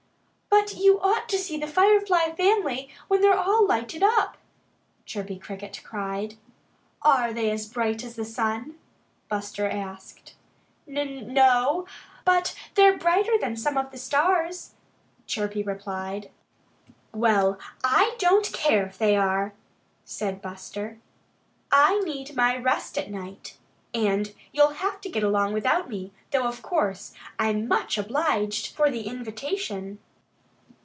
"But you ought to see the Firefly family when they're all lighted up!" Chirpy Cricket cried. "Are they as bright as the sun?" Buster asked. "N no but they're brighter than some of the stars," Chirpy replied. "Well, I don't care if they are," said Buster. "I need my rest at night. And you'll have to get along without me, though of course, I'm much obliged for the invitation."